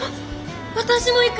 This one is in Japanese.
私も行く！